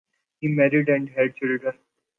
He married and had children.